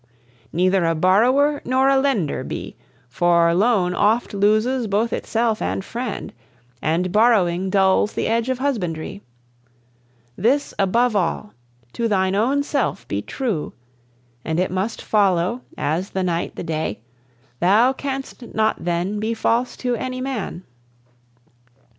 Neither a borrower nor a lender be; For loan oft loses both itself and friend, And borrowing dulls the edge of husbandry. This above all: to thine own self be true; And it must follow, as the night the day, Thou canst not then be false to any man.